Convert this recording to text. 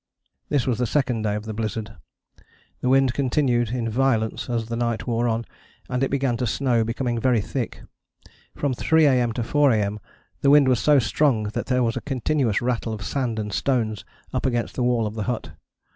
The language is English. This was the second day of the blizzard. The wind continued in violence as the night wore on, and it began to snow, becoming very thick. From 3 A.M. to 4 A.M. the wind was so strong that there was a continuous rattle of sand and stones up against the wall of the hut.